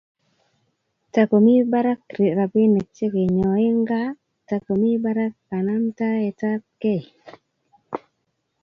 takomii barak rapinik chekenyoe ngaa takomii barak kanamtaet ab kei